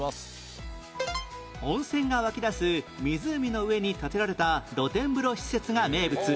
温泉が湧き出す湖の上に建てられた露天風呂施設が名物